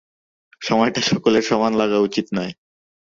সময়টা সকলের সমান লাগা উচিত নয়।